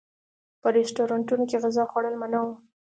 په رسټورانټونو کې غذا خوړل منع و.